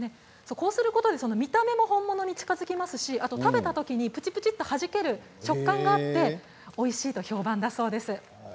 こうすることで見た目も本物に近づきますし食べたときにぷちぷちとはじける食感があっておいしいと評判だそうです。